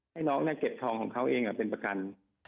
ให้น้องเก็บทองของเขาเองเป็นประกัน